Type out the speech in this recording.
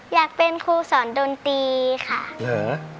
อยากเป็นครูสอนดนตรีค่ะเหรอ